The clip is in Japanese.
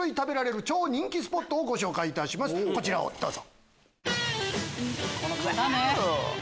こちらをどうぞ。